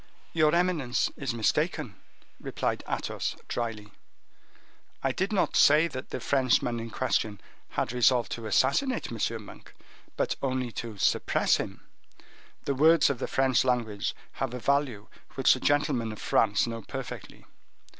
"Your eminence is mistaken," replied Athos, dryly; "I did not say that the Frenchman in question had resolved to assassinate M. Monk, but only to suppress him. The words of the French language have a value which the gentlemen of France know perfectly.